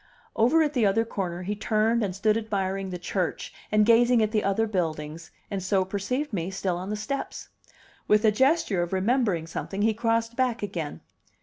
Over at the other corner he turned and stood admiring the church and gazing at the other buildings, and so perceived me still on the steps. With a gesture of remembering something he crossed back again.